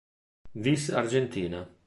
Vis Argentina".